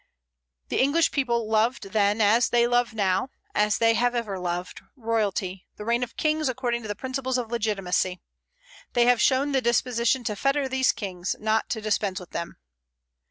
The English people loved then, as they love now, as they ever have loved, royalty, the reign of kings according to the principles of legitimacy. They have shown the disposition to fetter these kings, not to dispense with them.